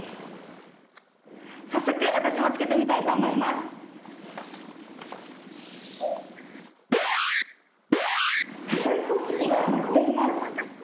早速、私もつけてみたいと思います。